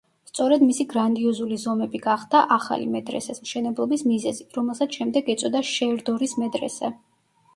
სწორედ მისი გრანდიოზული ზომები გახდა ახალი მედრესეს მშენებლობის მიზეზი, რომელსაც შემდეგ ეწოდა შერდორის მედრესე.